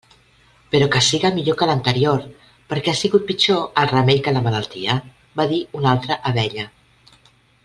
Però que siga millor que l'anterior, perquè ha sigut pitjor el remei que la malaltia —va dir una altra abella.